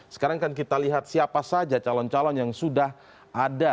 sekarang kan kita lihat siapa saja calon calon yang sudah ada